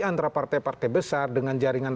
antara partai partai besar dengan jaringan